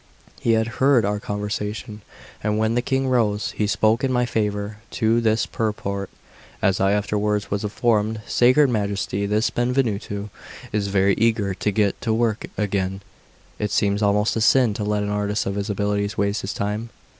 He had heard our conversation, and when the King rose, he spoke in my favour to this purport, as I afterwards was informed: "Sacred Majesty, this man Benvenuto is very eager to get to work again; it seems almost a sin to let an artist of his abilities waste his time."